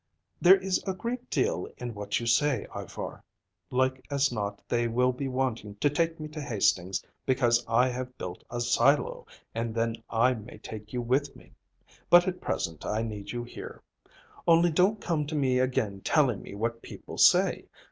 "There is a great deal in what you say, Ivar. Like as not they will be wanting to take me to Hastings because I have built a silo; and then I may take you with me. But at present I need you here. Only don't come to me again telling me what people say.